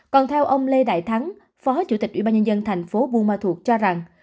còn theo ông lê đại thắng phó chủ tịch ủy ban nhân dân thành phố bu ma thuộc cho rằng